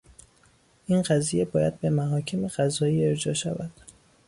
این قضیه باید به محاکم قضایی ارجاع شود.